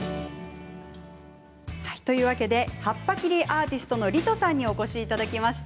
葉っぱ切り絵アーティストのリトさんにお越しいただきました。